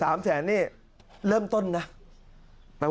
อาทิตย์๒๕อาทิตย์